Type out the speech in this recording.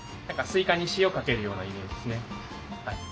スイカに塩かけるようなイメージですね。